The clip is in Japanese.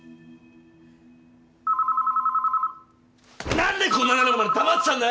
☎何でこんななるまで黙ってたんだよ！